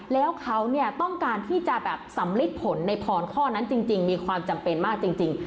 แล้วเขาต้องการที่จะแบบสำลิดผลในพรข้อนั้นจริงมีความจำเป็นมากจริง